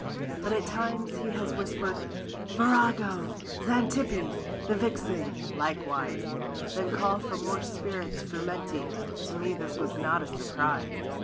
But at times he has whispered: "Virago!" "Xantippe!" "The Vixen!" likewise; Then call for more spirits frumenti— To me this was not a surprise.